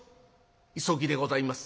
「急ぎでございます。